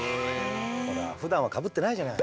ほらふだんはかぶってないじゃない。